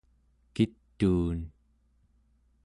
kituun